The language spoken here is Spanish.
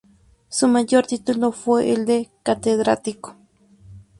Su mayor título fue el de catedrático.